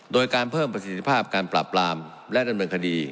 โดยการเพิ่มประสิทธิภาพการปราบปรามและดำเนินคดี